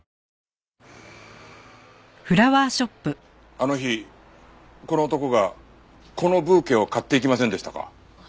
あの日この男がこのブーケを買っていきませんでしたか？